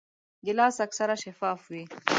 ګیلاس اکثره شفاف وي.